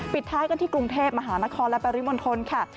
ปิดท้ายกันที่กรุงเทพมหานครและปริมณฑลค่ะ